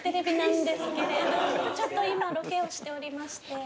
ちょっと今ロケをしておりまして。